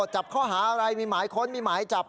จับข้อหาอะไรมีหมายค้นมีหมายจับ